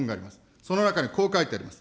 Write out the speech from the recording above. その中にこう書いてあります。